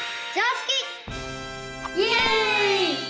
イエイ！